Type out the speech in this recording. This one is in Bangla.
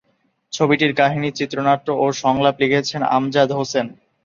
ছবিটির কাহিনী, চিত্রনাট্য ও সংলাপ লিখেছেন আমজাদ হোসেন।